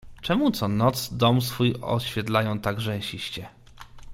"Czemu co noc dom swój oświetlają tak rzęsiście."